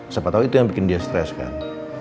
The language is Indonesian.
siapa tahu itu yang bikin dia stres kan